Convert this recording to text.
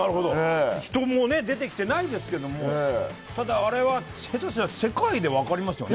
人も出てきてないですけどあれは下手したら世界で分かりますよね。